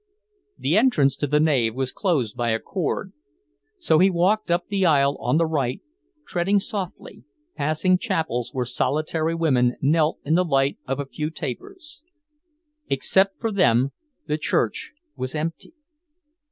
The entrance to the nave was closed by a cord, so he walked up the aisle on the right, treading softly, passing chapels where solitary women knelt in the light of a few tapers. Except for them, the church was empty...